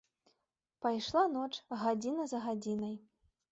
Пайшла ноч, гадзіна за гадзінай.